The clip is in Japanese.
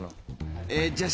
えじゃあ。